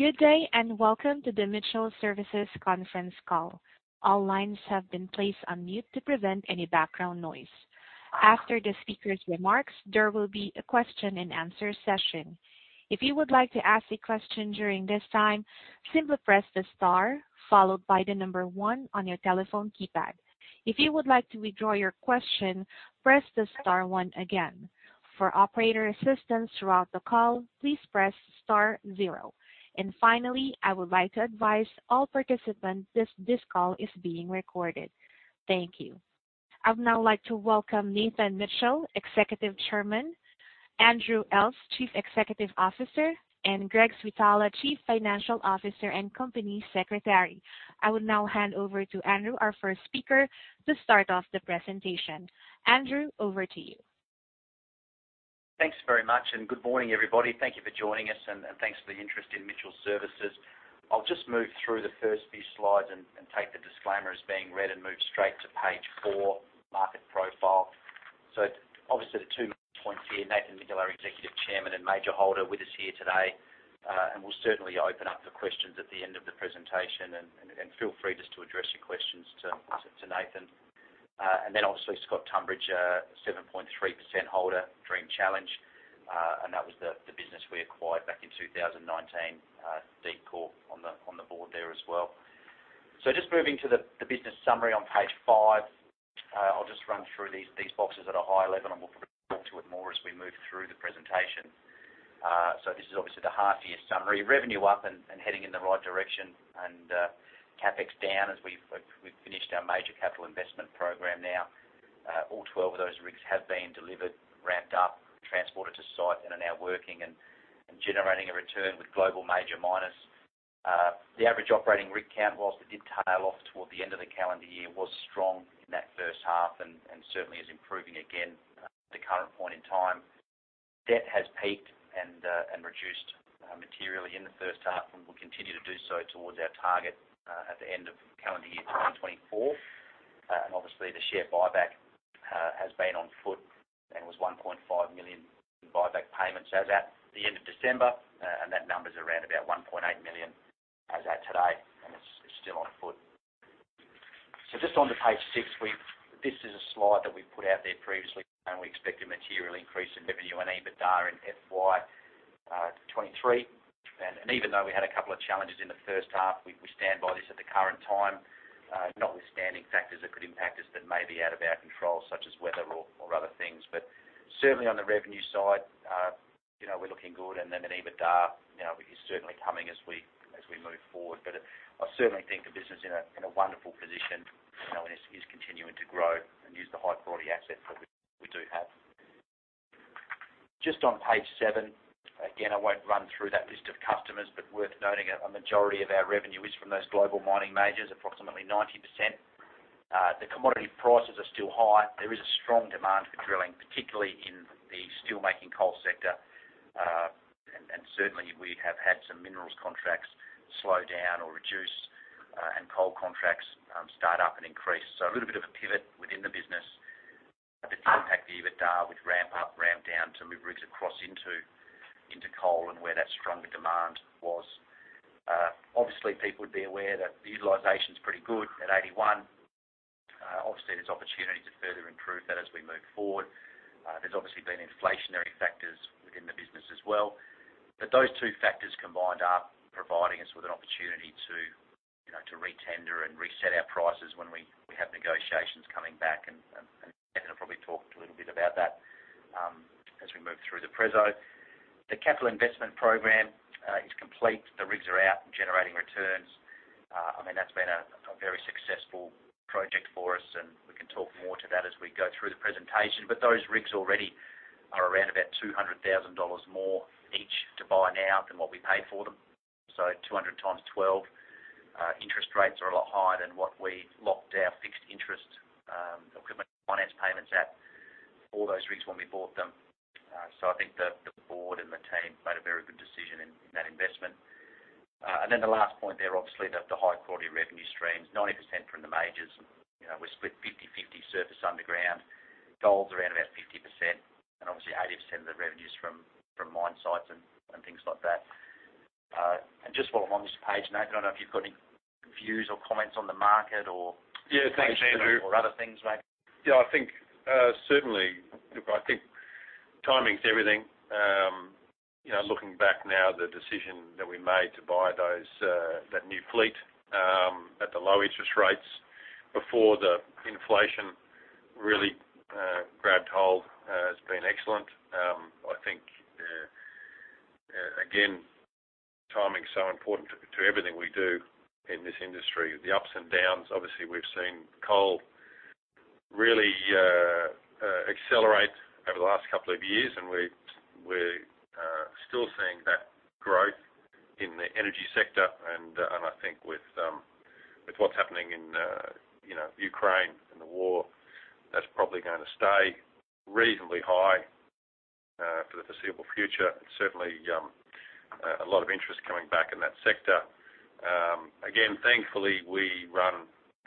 Good day and welcome to the Mitchell Services conference call. All lines have been placed on mute to prevent any background noise. After the speakers' remarks, there will be a question and answer session. If you would like to ask a question during this time, simply press the star followed by the number one on your telephone keypad. If you would like to withdraw your question, press the star one again. For operator assistance throughout the call, please press star zero. Finally, I would like to advise all participants this call is being recorded. Thank you. I would now like to welcome Nathan Mitchell, Executive Chairman, Andrew Elf, CEO, and Greg Switala, CFO and Company Secretary. I would now hand over to Andrew, our first speaker, to start off the presentation. Andrew, over to you. Thanks very much. Good morning, everybody. Thank you for joining us, and thanks for the interest in Mitchell Services. I'll just move through the first few slides and take the disclaimer as being read and move straight to page 4, Market Profile. Obviously, the 2 points here, Nathan Mitchell, our Executive Chairman and major holder with us here today. We'll certainly open up for questions at the end of the presentation and feel free just to address your questions to Nathan. Obviously, Scott Tumbridge, a 7.3% holder, Dream Challenge, and that was the business we acquired back in 2019, Deepcore on the board there as well. Just moving to the business summary on page 5. I'll just run through these boxes at a high level, and we'll talk to it more as we move through the presentation. This is obviously the half year summary. Revenue up and heading in the right direction and CapEx down as we've finished our major capital investment program now. All 12 of those rigs have been delivered, ramped up, transported to site, and are now working and generating a return with global major miners. The average operating rig count, whilst it did tail off toward the end of the calendar year, was strong in that H1 and certainly is improving again at the current point in time. Debt has peaked and reduced materially in the H1 and will continue to do so towards our target at the end of calendar year 2024. Obviously, the share buyback has been on foot and was 1.5 million in buyback payments as at the end of December. That number is around about 1.8 million as at today, and it's still on foot. Just onto page 6. This is a slide that we put out there previously, and we expect a material increase in revenue and EBITDA in FY 2023. Even though we had a couple of challenges in the first half, we stand by this at the current time, notwithstanding factors that could impact us that may be out of our control, such as weather or other things. Certainly on the revenue side, you know, we're looking good. Then in EBITDA, you know, is certainly coming as we, as we move forward. I certainly think the business is in a wonderful position, you know, and is continuing to grow and use the high-quality assets that we do have. Just on page 7. Again, I won't run through that list of customers, but worth noting a majority of our revenue is from those global mining majors, approximately 90%. The commodity prices are still high. There is a strong demand for drilling, particularly in the steelmaking coal sector. Certainly, we have had some minerals contracts slow down or reduce, and coal contracts start up and increase. A little bit of a pivot within the business that did impact the EBITDA with ramp up, ramp down to move rigs across into coal and where that stronger demand was. Obviously, people would be aware that the utilization's pretty good at 81%. Obviously, there's opportunity to further improve that as we move forward. There's obviously been inflationary factors within the business as well. Those two factors combined are providing us with an opportunity to, you know, to re-tender and reset our prices when we have negotiations coming back. Nathan will probably talk a little bit about that as we move through the preso. The capital investment program is complete. The rigs are out and generating returns. I mean, that's been a very successful project for us, and we can talk more to that as we go through the presentation. Those rigs already are around about 200,000 dollars more each to buy now than what we paid for them. 200 times 12. Interest rates are a lot higher than what we locked our fixed interest equipment finance payments at for those rigs when we bought them. I think the board and the team made a very good decision in that investment. The last point there, obviously, the high-quality revenue streams, 90% from the majors. You know, we're split 50/50 surface, underground. Gold's around about 50% and obviously 80% of the revenue's from mine sites and things like that. Just while I'm on this page, Nate, I don't know if you've got any views or comments on the market or Yeah. Thanks, Andrew. or other things, mate. Yeah, I think, certainly. Look, I think timing's everything. You know, looking back now, the decision that we made to buy those, that new fleet, at the low interest rates before the inflation really grabbed hold has been excellent. I think, again, timing's so important to everything we do in this industry, the ups and downs. Obviously, we've seen coal really accelerate over the last couple of years, we're still seeing that growth in the energy sector. I think with what's happening in, you know, Ukraine and the war, that's probably gonna stay reasonably high for the foreseeable future. Certainly, a lot of interest coming back in that sector. Thankfully, we run,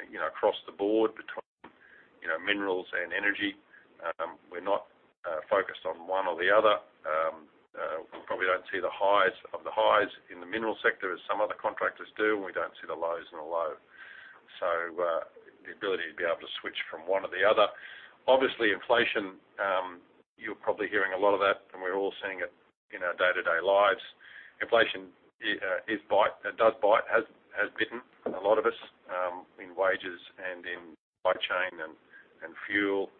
you know, across the board between, you know, minerals and energy. We're not focused on one or the other. We probably don't see the highs of the highs in the mineral sector as some other contractors do, and we don't see the lows and the low. The ability to be able to switch from one or the other. Obviously, inflation, you're probably hearing a lot of that, and we're all seeing it in our day-to-day lives. Inflation is bite, it does bite. Has bitten a lot of us in wages and in supply chain and fuel.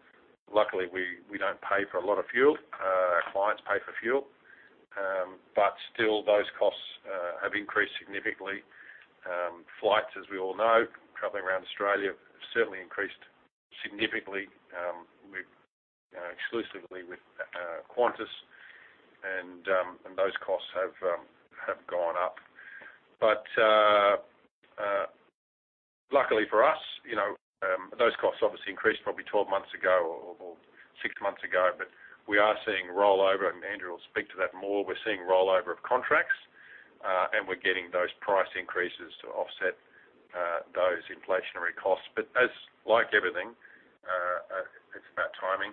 Luckily, we don't pay for a lot of fuel. Our clients pay for fuel. Still those costs have increased significantly. Flights, as we all know, traveling around Australia, have certainly increased significantly, with exclusively with Qantas, and those costs have gone up. Luckily for us, you know, those costs obviously increased probably 12 months ago or 6 months ago, but we are seeing rollover, and Andrew will speak to that more. We're seeing rollover of contracts, and we're getting those price increases to offset those inflationary costs. As like everything, it's about timing.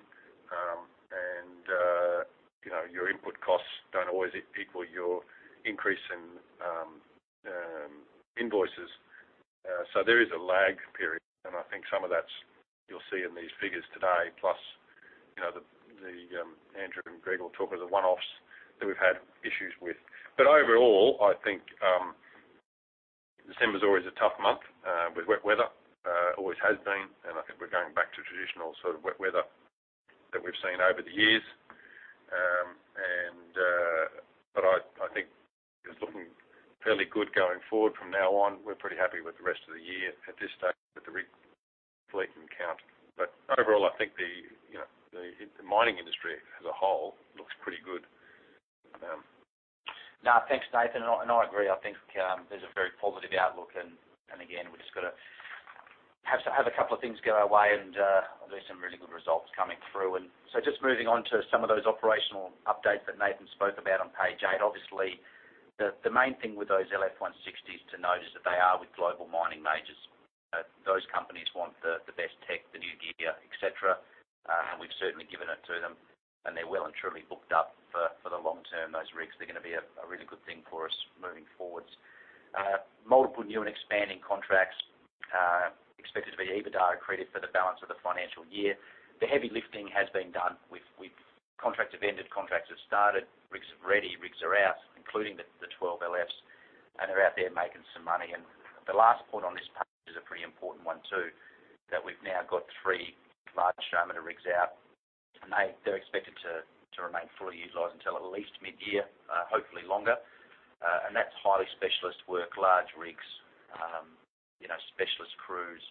You know, your input costs don't always equal your increase in invoices. There is a lag period, and I think some of that's you'll see in these figures today. You know, the, Andrew and Greg will talk of the one-offs that we've had issues with. Overall, I think December's always a tough month with wet weather. Always has been, I think we're going back to traditional sort of wet weather that we've seen over the years. I think it's looking fairly good going forward from now on. We're pretty happy with the rest of the year at this stage with the rig fleet count. Overall, I think the, you know, the mining industry as a whole looks pretty good. Thanks, Nathan. I agree. I think, there's a very positive outlook and again, we've just gotta have to have a couple of things go our way and there some really good results coming through. Just moving on to some of those operational updates that Nathan spoke about on page 8, obviously the main thing with those LF160s to note is that they are with global mining majors. Those companies want the best tech, the new gear, et cetera. We've certainly given it to them and they're well and truly booked up for the long term, those rigs. They're gonna be a really good thing for us moving forward. Multiple new and expanding contracts expected to be EBITDA-accretive for the balance of the financial year. The heavy lifting has been done. We've contracts have ended, contracts have started, rigs are ready, rigs are out, including the 12 LFs, they're out there making some money. The last point on this page is a pretty important one too, that we've now got 3 large diameter rigs out, they're expected to remain fully utilized until at least mid-year, hopefully longer. That's highly specialist work, large rigs, you know, specialist crews,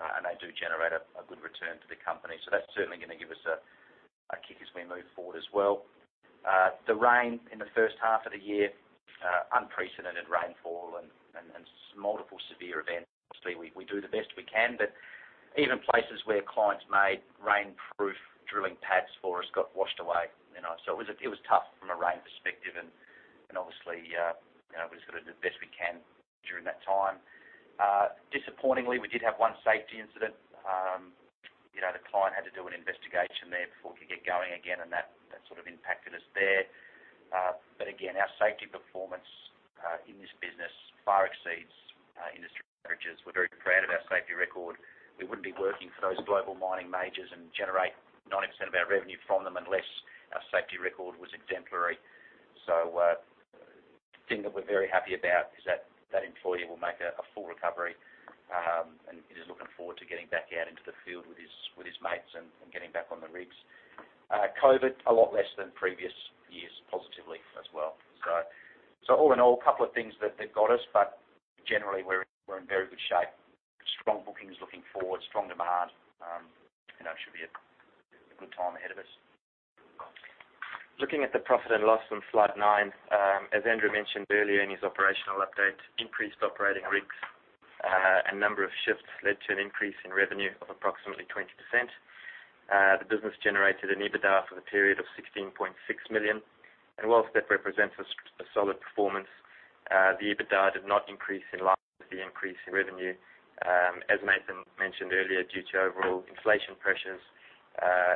they do generate a good return to the company. That's certainly gonna give us a kick as we move forward as well. The rain in the first half of the year, unprecedented rainfall and multiple severe events. Obviously, we do the best we can, even places where clients made rainproof drilling pads for us got washed away, you know. It was tough from a rain perspective and obviously, you know, we just gotta do the best we can during that time. Disappointingly, we did have one safety incident. you know, the client had to do an investigation there before we could get going again, and that sort of impacted us there. Again, our safety performance in this business far exceeds industry averages. We're very proud of our safety record. We wouldn't be working for those global mining majors and generate 90% of our revenue from them unless our safety record was exemplary. The thing that we're very happy about is that employee will make a full recovery, and he's looking forward to getting back out into the field with his mates and getting back on the rigs. COVID, a lot less than previous years, positively as well. All in all, a couple of things that got us, but generally we're in very good shape. Strong bookings looking forward, strong demand. you know, it should be a good time ahead of us. Looking at the profit and loss on slide 9. As Andrew mentioned earlier in his operational update, increased operating rigs and number of shifts led to an increase in revenue of approximately 20%. The business generated an EBITDA for the period of 16.6 million. Whilst that represents a solid performance, the EBITDA did not increase in line with the increase in revenue, as Nathan mentioned earlier, due to overall inflation pressures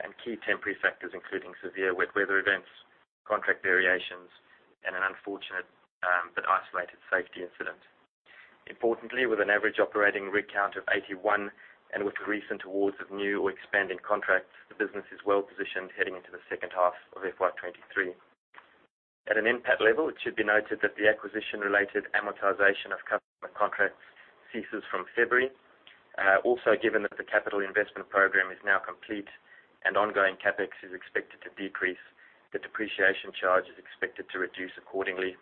and key temporary factors including severe wet weather events, contract variations and an unfortunate but isolated safety incident. Importantly, with an average operating rig count of 81 and with recent awards of new or expanding contracts, the business is well positioned heading into the second half of FY23. At an NPAT level, it should be noted that the acquisition-related amortization of customer contracts ceases from February. Given that the capital investment program is now complete and ongoing CapEx is expected to decrease, the depreciation charge is expected to reduce accordingly,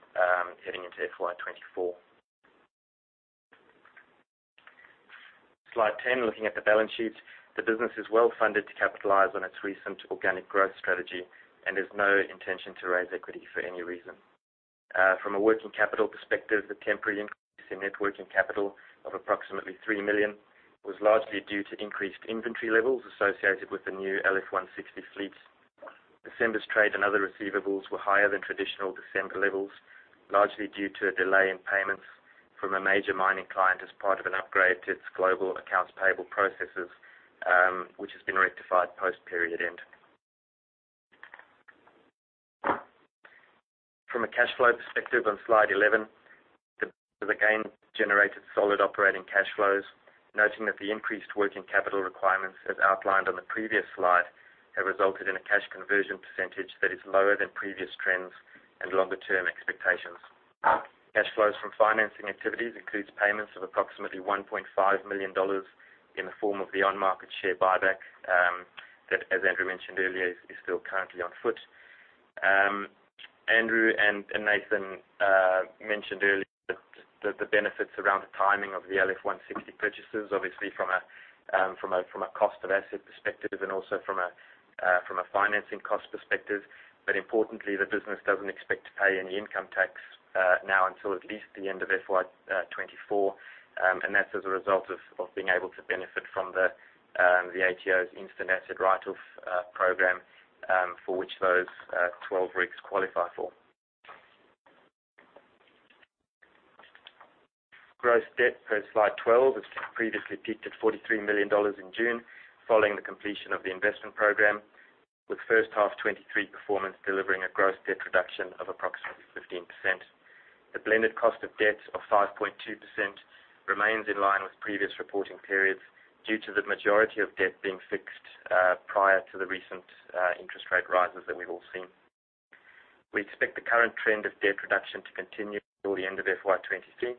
heading into FY24. Slide 10, looking at the balance sheet. The business is well funded to capitalize on its recent organic growth strategy and has no intention to raise equity for any reason. From a working capital perspective, the temporary increase in net working capital of approximately 3 million was largely due to increased inventory levels associated with the new LF160 fleet. December's trade and other receivables were higher than traditional December levels, largely due to a delay in payments from a major mining client as part of an upgrade to its global accounts payable processes, which has been rectified post period end. From a cash flow perspective on slide 11, the gain generated solid operating cash flows, noting that the increased working capital requirements, as outlined on the previous slide, have resulted in a cash conversion percentage that is lower than previous trends and longer term expectations. Cash flows from financing activities includes payments of approximately 1.5 million dollars in the form of the on-market share buyback, that, as Andrew mentioned earlier, is still currently on foot. Andrew Elf and Nathan mentioned earlier that the benefits around the timing of the LF160 purchases, obviously from a cost of asset perspective and also from a financing cost perspective. Importantly, the business doesn't expect to pay any income tax now until at least the end of FY24. That's as a result of being able to benefit from the ATO's instant asset write-off program, for which those 12 rigs qualify for. Gross debt per Slide 12, which previously peaked at 43 million dollars in June following the completion of the investment program, with H1 2023 performance delivering a gross debt reduction of approximately 15%. The blended cost of debt of 5.2% remains in line with previous reporting periods due to the majority of debt being fixed, prior to the recent, interest rate rises that we've all seen. We expect the current trend of debt reduction to continue through the end of FY23,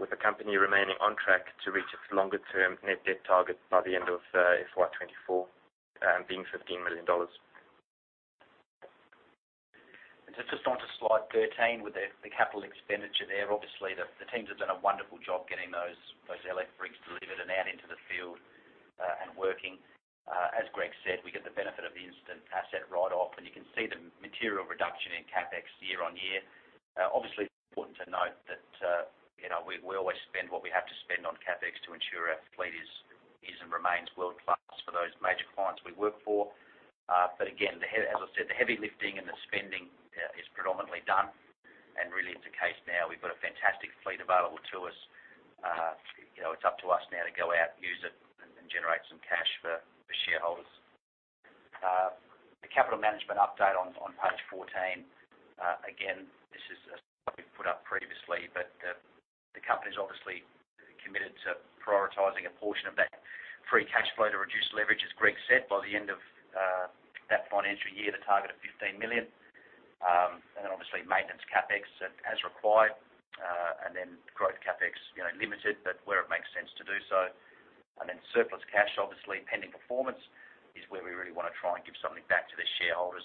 with the company remaining on track to reach its longer-term net debt target by the end of FY24, being AUD 15 million. Just on to slide 13 with the capital expenditure there. Obviously, the teams have done a wonderful job getting those electrics delivered and out into the field and working. As Greg Switala said, we get the benefit of the instant asset write-off, and you can see the material reduction in CapEx year on year. Obviously, it's important to note that, you know, we always spend what we have to spend on CapEx to ensure our fleet is and remains world-class for those major clients we work for. Again, as I said, the heavy lifting and the spending is predominantly done. Really it's a case now we've got a fantastic fleet available to us. You know, it's up to us now to go out, use it and generate some cash for shareholders. The capital management update on page 14. Again, this is something we've put up previously, but the company's obviously committed to prioritizing a portion of that free cash flow to reduce leverage, as Greg said, by the end of that financial year, the target of 15 million. And then obviously maintenance CapEx as required, and then growth CapEx, you know, limited, but where it makes sense to do so. Surplus cash, obviously, pending performance is where we really wanna try and give something back to the shareholders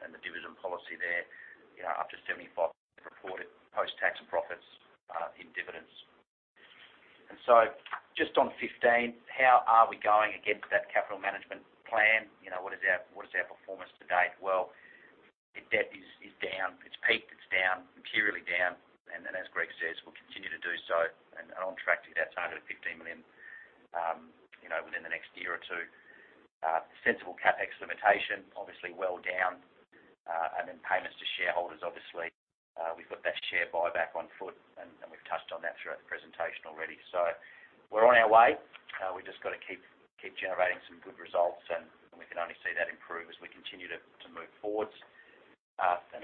and the dividend policy there. You know, up to 75% reported post-tax profits in dividends. Just on 15, how are we going against that capital management plan? You know, what is our performance to date? Well, debt is down. It's peaked, it's down, materially down. As Greg says, we'll continue to do so and on track to that target of 15 million, you know, within the next year or two. Sensible CapEx limitation, obviously well down. Payments to shareholders, obviously. We've got that share buyback on foot and we've touched on that throughout the presentation already. We're on our way. We just gotta keep generating some good results, and we can only see that improve as we continue to move forwards.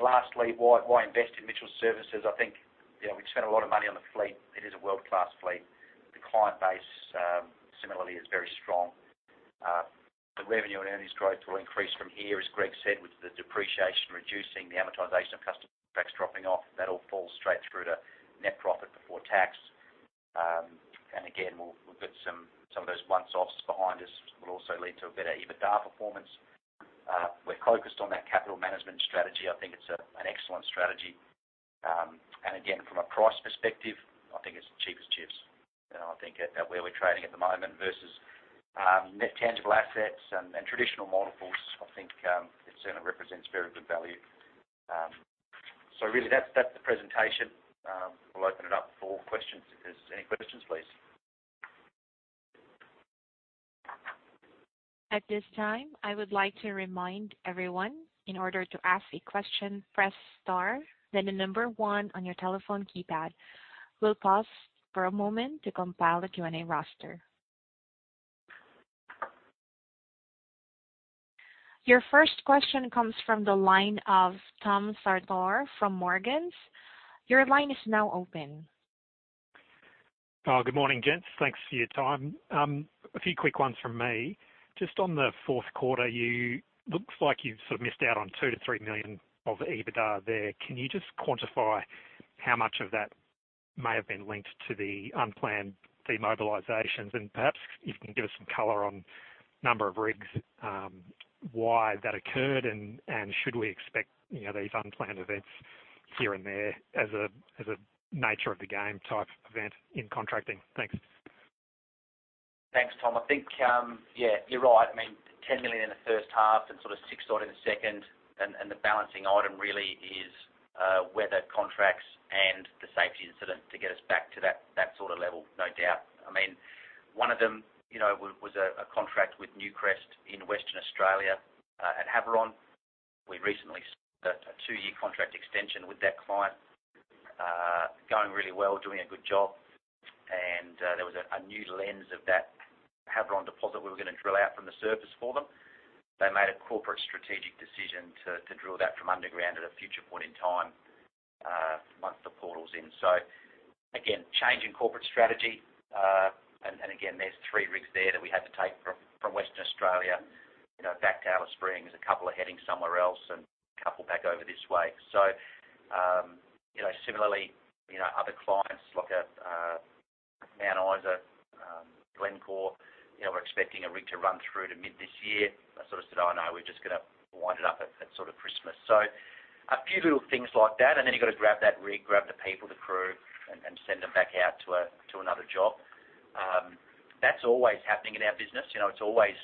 Lastly, why invest in Mitchell Services? I think, you know, we've spent a lot of money on the fleet. It is a world-class fleet. The client base, similarly is very strong. The revenue and earnings growth will increase from here, as Greg said, with the depreciation, reducing the amortization of customer contracts dropping off, that all falls straight through to net profit before tax. Again, we'll get some of those one-offs behind us, will also lead to a better EBITDA performance. We're focused on that capital management strategy. I think it's an excellent strategy. Again, from a price perspective, I think it's cheap as chips. You know, I think at where we're trading at the moment versus net tangible assets and traditional multiples, I think it certainly represents very good value. Really that's the presentation. We'll open it up for questions. If there's any questions, please. At this time, I would like to remind everyone in order to ask a question, press star then the number 1 on your telephone keypad. We'll pause for a moment to compile the Q&A roster. Your first question comes from the line of Tom Sartor from Morgans. Your line is now open. Good morning, gents. Thanks for your time. A few quick ones from me. Just on the fourth quarter, you look like you've sort of missed out on 2 million-3 million of EBITDA there. Can you just quantify how much of that may have been linked to the unplanned demobilizations? Perhaps if you can give us some color on number of rigs, why that occurred and should we expect, you know, these unplanned events here and there as a, as a nature of the game type event in contracting? Thanks. Thanks, Tom. I think, yeah, you're right. I mean, 10 million in the first half and sort of 6 odd in the second. The balancing item really is weather contracts and the safety incident to get us back to that sort of level, no doubt. I mean one of them, you know, was a contract with Newcrest in Western Australia, at Havieron. We recently signed a 2-year contract extension with that client, going really well, doing a good job. There was a new lens of that Havieron deposit we were gonna drill out from the surface for them. They made a corporate strategic decision to drill that from underground at a future point in time, once the portal's in. Again, change in corporate strategy, and again, there's 3 rigs there that we had to take from Western Australia, you know, back to Alice Springs. A couple are heading somewhere else and a couple back over this way. You know, similarly, you know, other clients like Mount Isa, Glencore, you know, we're expecting a rig to run through to mid this year. I sort of said, "Oh, no, we're just gonna wind it up at sort of Christmas." A few little things like that, and then you've got to grab that rig, grab the people, the crew, and send them back out to another job. That's always happening in our business. You know, it's always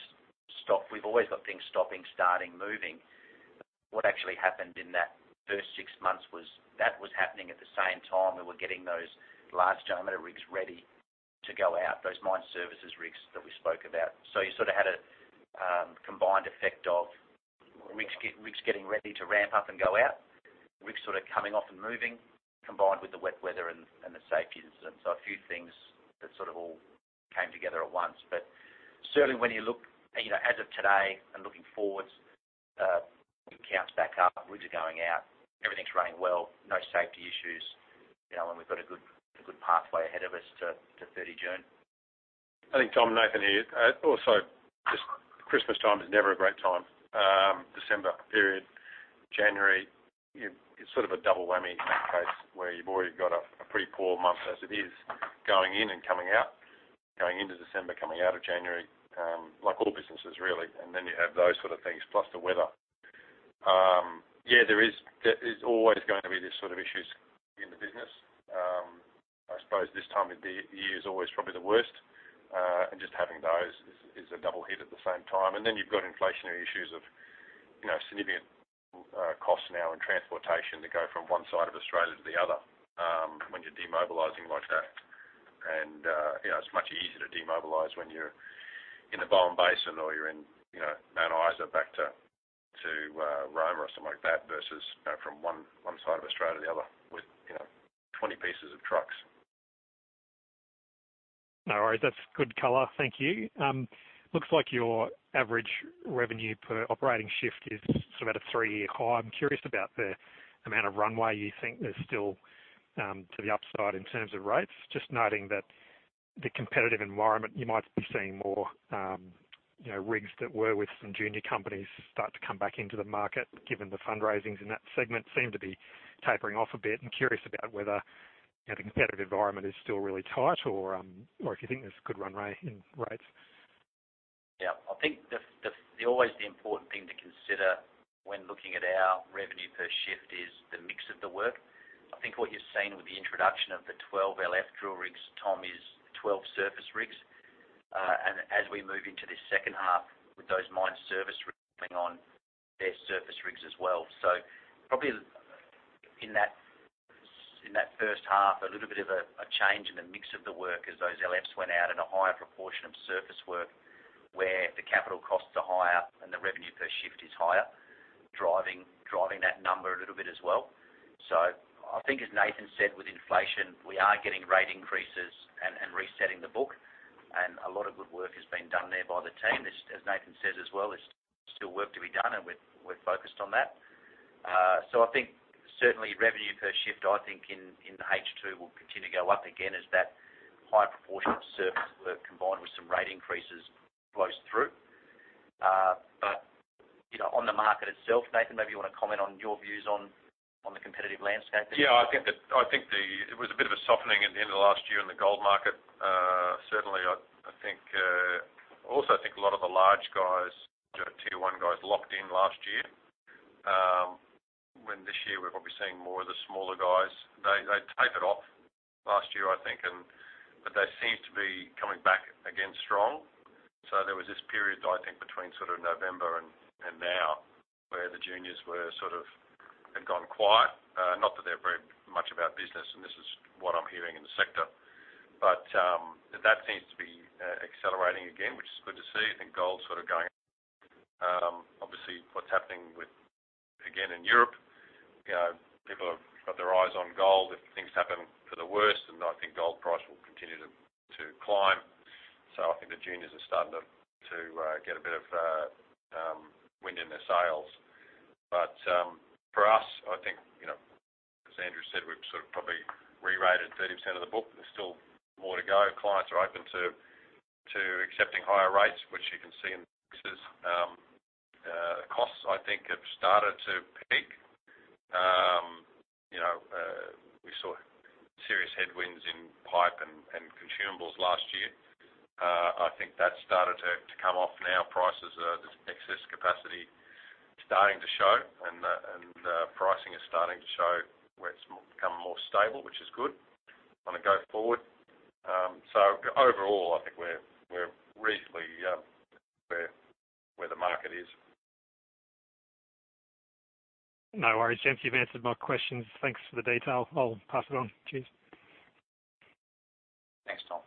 stop. We've always got things stopping, starting, moving. What actually happened in that first 6 months was that was happening at the same time we were getting those large diameter rigs ready to go out, those mine services rigs that we spoke about. You sort of had a combined effect of rigs getting ready to ramp up and go out. Rigs sort of coming off and moving, combined with the wet weather and the safety incident. A few things that sort of all came together at once. Certainly when you look, you know, as of today and looking forward, counts back up, rigs are going out, everything's running well, no safety issues. You know, we've got a good pathway ahead of us to 30 June. I think, Tom, Nathan here. Also just Christmas time is never a great time. December period, January, it's sort of a double whammy in that case where you've already got a pretty poor month as it is going in and coming out, going into December, coming out of January, like all businesses really. Then you have those sort of things plus the weather. Yeah, there is always going to be this sort of issues in the business. I suppose this time of the year is always probably the worst. Just having those is a double hit at the same time. Then you've got inflationary issues of, you know, significant costs now in transportation to go from one side of Australia to the other, when you're demobilizing like that. You know, it's much easier to demobilize when you're in the Bowen Basin or you're in, you know, Mount Isa back to Roma or something like that, versus, you know, from one side of Australia to the other with, you know, 20 pieces of trucks. No worries. That's good color. Thank you. Looks like your average revenue per operating shift is sort of at a three-year high. I'm curious about the amount of runway you think there's still to the upside in terms of rates. Just noting that the competitive environment you might be seeing more, you know, rigs that were with some junior companies start to come back into the market given the fundraisings in that segment seem to be tapering off a bit. I'm curious about whether the competitive environment is still really tight or if you think there's good runway in rates. I think the always the important thing to consider when looking at our revenue per shift is the mix of the work. I think what you've seen with the introduction of the 12 LF drill rigs, Tom, is 12 surface rigs. And as we move into this second half with those mine services rigs coming on, they're surface rigs as well. Probably in that, in that first half, a little bit of a change in the mix of the work as those LFs went out at a higher proportion of surface work where the capital costs are higher and the revenue per shift is higher, driving that number a little bit as well. I think as Nathan said, with inflation, we are getting rate increases and resetting the book. A lot of good work is being done there by the team. As Nathan says as well, there's still work to be done, and we're focused on that. I think certainly revenue per shift, I think in H2 will continue to go up again as that higher proportion of surface work combined with some rate increases flows through. You know, on the market itself, Nathan, maybe you wanna comment on your views on the competitive landscape there? I think it was a bit of a softening at the end of last year in the gold market. Certainly I think I also think a lot of the large guys, you know, tier one guys locked in last year. When this year we're probably seeing more of the smaller guys. They tapered off last year I think and they seem to be coming back again strong. There was this period, I think between sort of November and now where the juniors were sort of had gone quiet. Not that they're very much about business, and this is what I'm hearing in the sector. That seems to be accelerating again, which is good to see. I think gold's sort of going, obviously what's happening with again in Europe, you know, people have got their eyes on gold. If things happen for the worst, then I think gold price will continue to climb. I think the juniors are starting to get a bit of wind in their sails. For us, I think, you know, as Andrew said, we've sort of probably rerated 30% of the book. There's still more to go. Clients are open to accepting higher rates, which you can see in the mixes. Costs I think have started to peak. You know, we saw serious headwinds in pipe and consumables last year. I think that's started to come off now. Prices are, there's excess capacity starting to show and pricing is starting to show where it's more, become more stable, which is good on a go forward. Overall I think we're reasonably where the market is. No worries, gents. You've answered my questions. Thanks for the detail. I'll pass it on. Cheers. Thanks, Tom.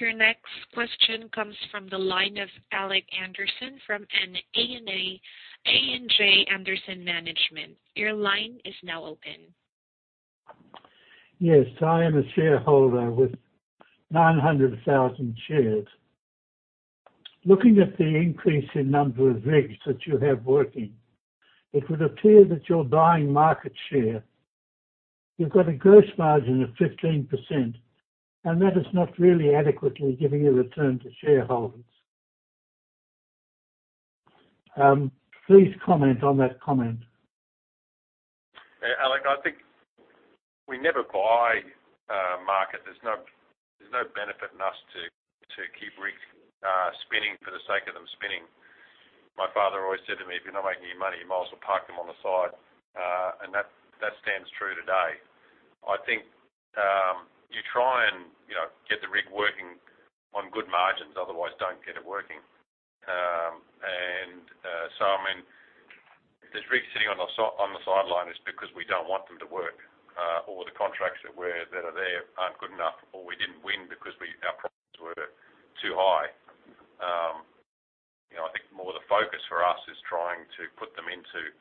Your next question comes from the line of Alex Anderson from A&J Anderson Management. Your line is now open. Yes, I am a shareholder with 900,000 shares. Looking at the increase in number of rigs that you have working, it would appear that you're buying market share. You've got a gross margin of 15%, and that is not really adequately giving a return to shareholders. Please comment on that comment? Alex, I think we never buy a market. There's no benefit in us to keep rigs spinning for the sake of them spinning. My father always said to me, "If you're not making any money, you might as well park them on the side." That stands true today. I think, you try and, you know, get the rig working on good margins, otherwise don't get it working. I mean, if there's rigs sitting on the side, on the sideline, it's because we don't want them to work, or the contracts that are there aren't good enough, or we didn't win because our profits were too high. You know, I think more the focus for us is trying to put them into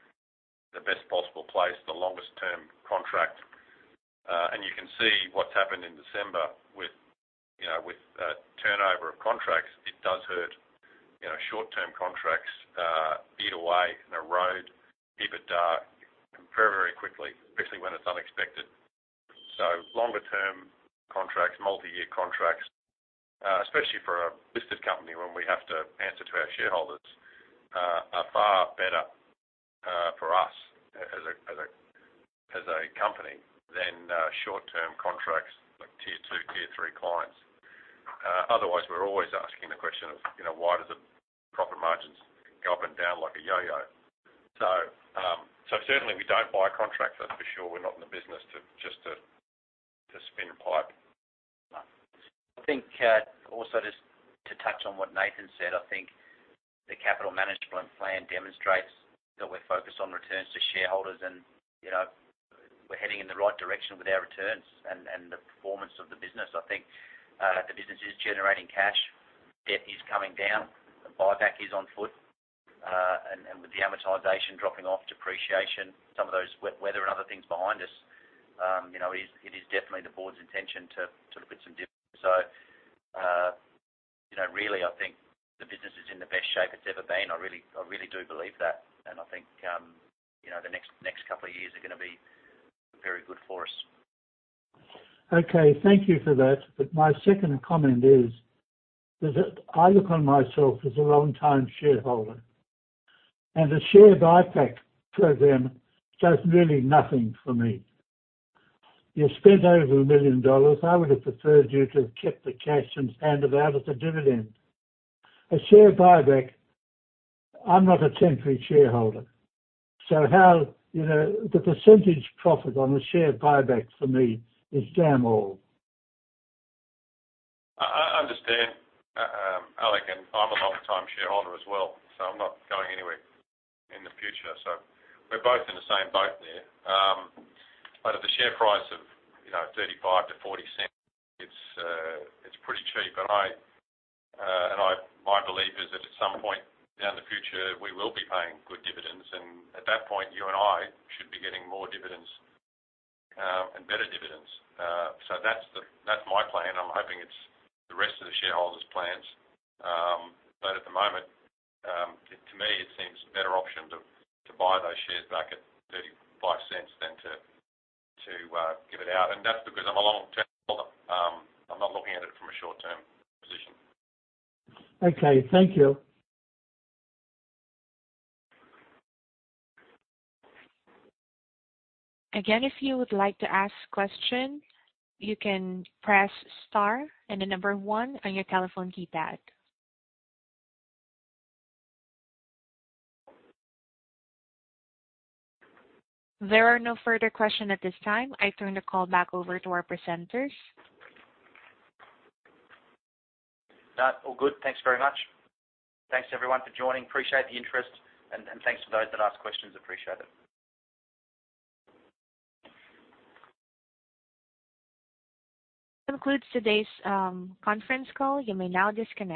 the best possible place, the longest term contract. You can see what's happened in December with, you know, with turnover of contracts. It does hurt, you know, short-term contracts eat away and erode, leave it very, very quickly, especially when it's unexpected. Longer term contracts, multi-year contracts, especially for a listed company, when we have to answer to our shareholders, are far better for us as a company than short-term contracts like tier two, tier three clients. Otherwise, we're always asking the question of, you know, why does the proper margins go up and down like a yo-yo? Certainly we don't buy a contract, that's for sure. We're not in the business to just to spin pipe. I think, also just to touch on what Nathan said, I think the capital management plan demonstrates that we're focused on returns to shareholders and, you know, we're heading in the right direction with our returns and the performance of the business. I think, the business is generating cash, debt is coming down, the buyback is on foot. With the amortization dropping off, depreciation, some of those wet weather and other things behind us, you know, it is definitely the board's intention to put some dividends. You know, really, I think the business is in the best shape it's ever been. I really do believe that. I think, you know, the next couple of years are gonna be very good for us. Okay. Thank you for that. My second comment is that I look on myself as a longtime shareholder. The share buyback program does really nothing for me. You spent over 1 million dollars. I would have preferred you to have kept the cash and hand it out as a dividend. A share buyback I'm not a temporary shareholder, how, you know, the percentage profit on the share buyback for me is damn all. I understand, Alex. I'm a long time shareholder as well. I'm not going anywhere in the future. We're both in the same boat there. At the share price of, you know, 0.35-0.40, it's pretty cheap. My belief is that at some point down the future, we will be paying good dividends. At that point, you and I should be getting more dividends and better dividends. That's my plan. I'm hoping it's the rest of the shareholders' plans. At the moment, to me, it seems a better option to buy those shares back at 0.35 than to give it out. That's because I'm a long-term shareholder. I'm not looking at it from a short-term position. Okay. Thank you. If you would like to ask question, you can press star and 1 on your telephone keypad. There are no further question at this time. I turn the call back over to our presenters. No, all good. Thanks very much. Thanks everyone for joining. Appreciate the interest. Thanks to those that asked questions. Appreciate it. This concludes today's conference call. You may now disconnect.